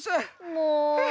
もう！